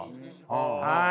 はい。